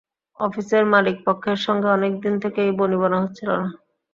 অফিসের মালিকপক্ষের সঙ্গে অনেক দিন থেকেই বনিবন্যা হচ্ছিল না।